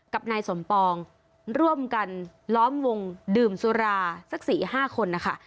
กับนายสมปองร่วมกันล้อมวงดื่มสุราสัก๔๕คนนะคะ